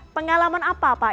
pengalaman apa pak